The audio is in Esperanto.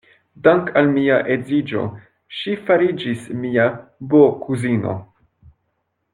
Dank' al mia edziĝo, ŝi fariĝis mia bokuzino.